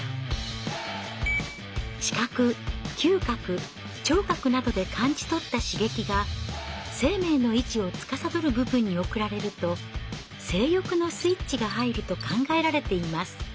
視覚嗅覚聴覚などで感じ取った刺激が生命の維持をつかさどる部分に送られると性欲のスイッチが入ると考えられています。